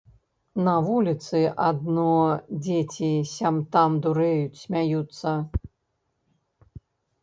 На вуліцы адно дзеці сям-там дурэюць, смяюцца.